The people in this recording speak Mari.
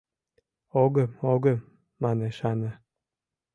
— Огым, огым, — манеш Ана.